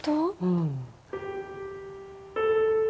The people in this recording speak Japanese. うん。